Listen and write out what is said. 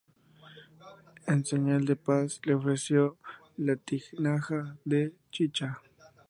En señal de paz, le ofreció la tinaja de chicha.